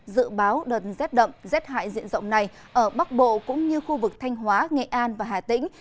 dự báo đợt rét đậm rét hại diện rộng này ở bắc bộ cũng như khu vực thanh hóa nghệ an và hà tĩnh